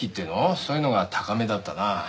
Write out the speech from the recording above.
そういうのが高めだったな。